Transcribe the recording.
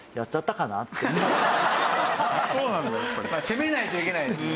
攻めないといけないですもんね。